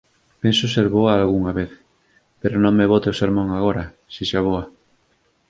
Penso ser boa algunha vez, pero non me bote o sermón agora, sexa boa.